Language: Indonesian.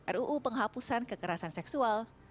ruu penghapusan kekerasan seksual